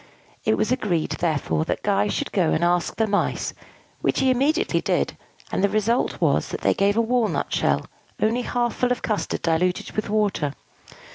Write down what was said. It was agreed, therefore, that Guy should go and ask the Mice, which he immediately did; and the result was, that they gave a walnut shell only half full of custard diluted with water.